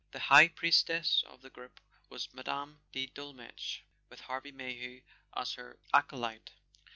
The high priestess of the group was Mme. de Dol metsch, with Harvey Mayhew as her acolyte.